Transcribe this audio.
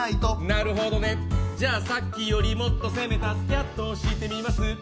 なるほどね、じゃあさっきよりもっと攻めたスキャットをしてみます。